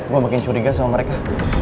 gue makin curiga sama mereka